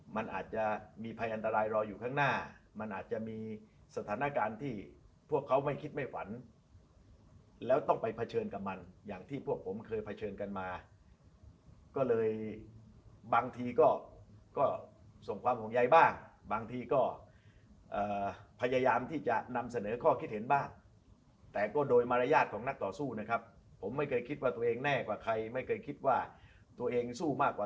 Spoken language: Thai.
มันอาจจะมีภัยอันตรายรออยู่ข้างหน้ามันอาจจะมีสถานการณ์ที่พวกเขาไม่คิดไม่ฝันแล้วต้องไปเผชิญกับมันอย่างที่พวกผมเคยเผชิญกันมาก็เลยบางทีก็ส่งความห่วงใยบ้างบางทีก็พยายามที่จะนำเสนอข้อคิดเห็นบ้างแต่ก็โดยมารยาทของนักต่อสู้นะครับผมไม่เคยคิดว่าตัวเองแน่กว่าใครไม่เคยคิดว่าตัวเองสู้มากกว่า